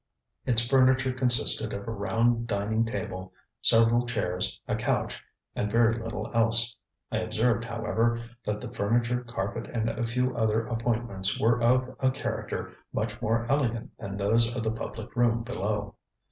Its furniture consisted of a round dining table, several chairs, a couch, and very little else. I observed, however, that the furniture, carpet, and a few other appointments were of a character much more elegant than those of the public room below.